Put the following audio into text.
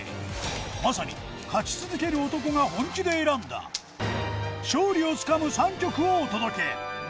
まさに勝ち続ける男が本気で選んだ、勝利をつかむ３曲をお届け。